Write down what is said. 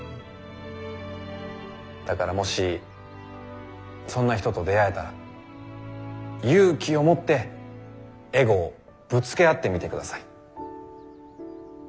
だからもしそんな人と出会えたら勇気を持ってエゴをぶつけ合ってみてください。